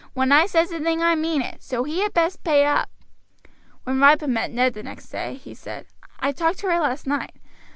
"When I says a thing I mean it. So he had best pay up." When Ripon met Ned next day he said: "I talked to her last night.